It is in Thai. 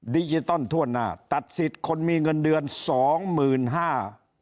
ดิจิตอลทั่วหน้าตัดสิทธิ์คนมีเงินเดือนสองหมื่นห้า